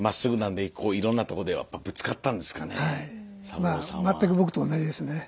まあ全く僕と同じですね。